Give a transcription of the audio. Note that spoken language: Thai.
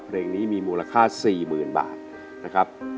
เพลงนี้มีมูลค่า๔๐๐๐บาทนะครับ